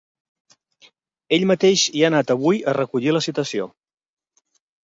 Ell mateix hi ha anat avui a recollir la citació.